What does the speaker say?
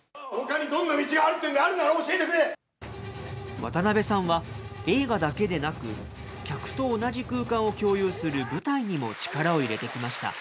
渡辺さんは映画だけでなく、客と同じ空間を共有する舞台にも力を入れてきました。